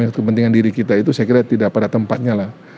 kepentingan diri kita itu saya kira tidak pada tempatnya lah